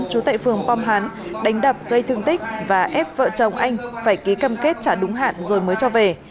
trú tệ phường pom hán đánh đập gây thương tích và ép vợ chồng anh phải ký cầm kết trả đúng hạn rồi mới cho về